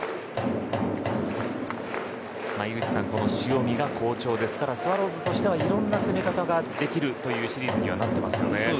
井口さん、塩見が好調ですからスワローズとしてはいろんな攻め方ができるシリーズになってますよね。